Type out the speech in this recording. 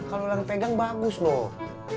kalau orang pegang bagus loh